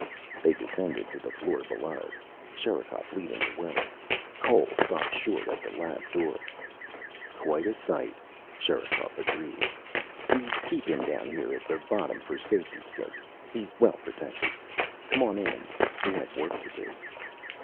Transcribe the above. They descended to the floor below, Sherikov leading the way. Cole stopped short at the lab door. "Quite a sight," Sherikov agreed. "We keep him down here at the bottom for safety's sake. He's well protected. Come on in. We have work to do."